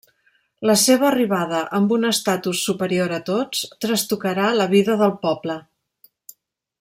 La seva arribada amb un estatus superior a tots trastocarà la vida del poble.